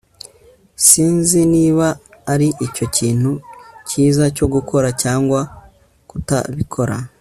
sinzi niba aricyo kintu cyiza cyo gukora cyangwa kutabikora